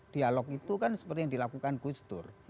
dialog itu kan seperti yang dilakukan gustur